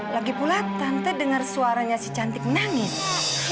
lagipula tante denger suaranya si cantik nangis